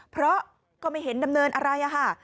เพราะก็ไม่เห็นดำเนินอะไรค่ะ